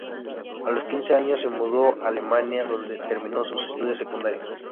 A los quince años se mudó a Alemania, dónde terminó sus estudios secundarios.